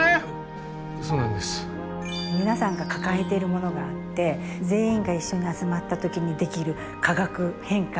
皆さんが抱えているものがあって全員が一緒に集まった時にできる化学変化